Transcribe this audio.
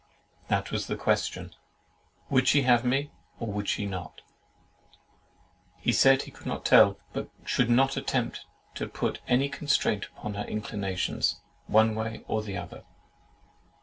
That was the question—"Would she have me, or would she not?" He said he could not tell; but should not attempt to put any constraint upon her inclinations, one way or other.